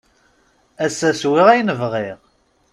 Ass-a swiɣ ayen bɣiɣ.